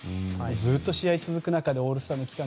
ずっと試合が続く中でオールスターの期間